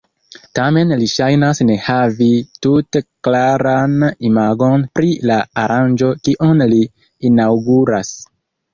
Tamen li ŝajnas ne havi tute klaran imagon pri la aranĝo kiun li inaŭguras.